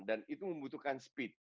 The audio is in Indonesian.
dan itu membutuhkan speed